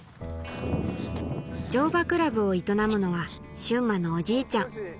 乗馬クラブを営むのは駿萬のおじいちゃん